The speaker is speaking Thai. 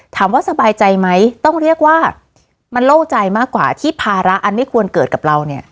สบายใจไหมต้องเรียกว่ามันโล่งใจมากกว่าที่ภาระอันไม่ควรเกิดกับเราเนี่ย